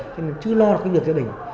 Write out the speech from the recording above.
chứ chưa lo được việc gia đình